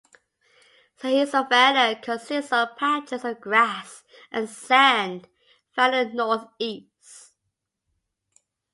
Sahel savannah consists of patches of grass and sand, found in the northeast.